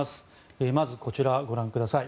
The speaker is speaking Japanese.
まずこちら、ご覧ください。